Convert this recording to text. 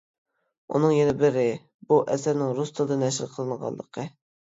ئۇنىڭ يەنە بىرى، بۇ ئەسەرنىڭ رۇس تىلىدا نەشر قىلىنغانلىقى.